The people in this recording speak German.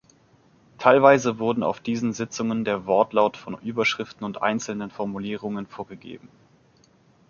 Teilweise wurden auf diesen Sitzungen der Wortlaut von Überschriften und einzelnen Formulierungen vorgegeben.